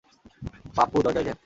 পাপপু দরজায় জ্যাম।